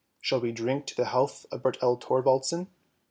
Shall we drink to the health of Bert el Thorwaldsen?